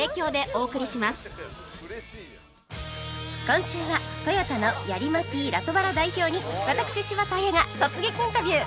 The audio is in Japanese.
今週はトヨタのヤリ−マティ・ラトバラ代表に私柴田阿弥が突撃インタビュー！